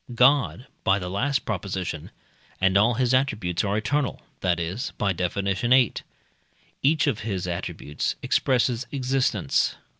God (by the last Prop.) and all his attributes are eternal, that is (by Def. viii.) each of his attributes expresses existence.